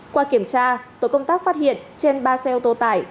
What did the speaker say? qua kiểm tra tổ công tác phát hiện trên ba xe ô tô tải